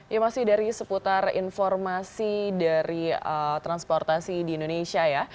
ya masih dari seputar informasi dari transportasi di indonesia ya